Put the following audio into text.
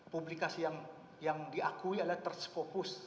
publikasi yang diakui adalah tersekopus